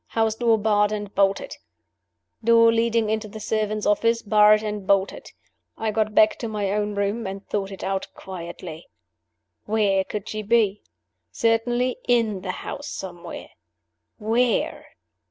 House door barred and bolted. Door leading into the servants' offices barred and bolted. I got back to my own room, and thought it out quietly. Where could she be? Certainly in the house, somewhere. Where?